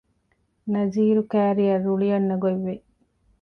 ނަޒީރު ކައިރިއަށް ރުޅި އަންނަ ގޮތް ވި